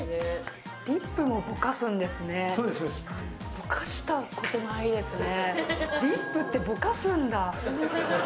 ぼかしたことないですね。